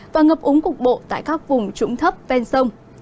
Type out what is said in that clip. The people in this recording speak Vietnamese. và ngập úng cục bộ tại các vùng trũng thấp ven sông